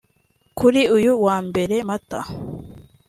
Kuri uyu wa Mbere Mata